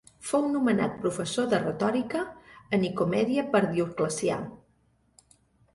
Fou nomenat professor de retòrica a Nicomèdia per Dioclecià.